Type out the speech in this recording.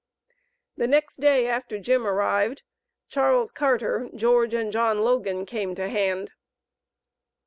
The next day after Jim arrived, Charles Carter, George and John Logan came to hand.